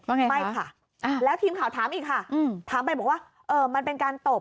ไงไม่ค่ะแล้วทีมข่าวถามอีกค่ะถามไปบอกว่าเออมันเป็นการตบ